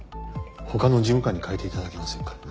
他の事務官に代えて頂けませんか。